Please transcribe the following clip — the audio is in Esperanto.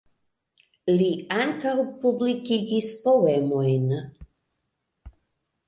Li ankaŭ publikigis poemojn.